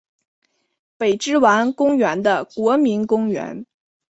北之丸公园的国民公园。